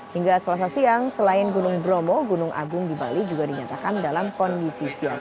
hingga selasa siang selain gunung bromo gunung agung di bali juga dinyatakan dalam kondisi siap